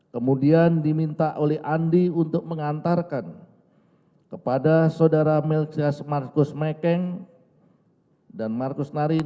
kemudian diminta oleh andi untuk mengantarkan kepada saudara melkias marcus mekeng dan marcus nari